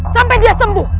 sampai dia sembuh